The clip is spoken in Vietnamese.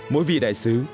mỗi vị đại sứ